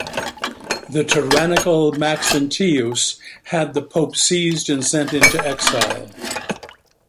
The tyrannical Maxentius had the pope seized and sent into exile.